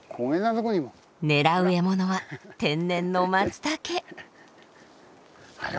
狙う獲物は天然のまつたけ。